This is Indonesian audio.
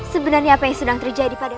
sebenarnya apa yang sedang terjadi pada